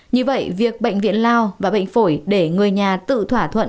như vậy việc bệnh viện lao và bệnh phổi để người nhà tự thỏa thuận